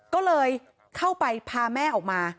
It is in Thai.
ก็เลยเข้าไปพาแม่ออกมา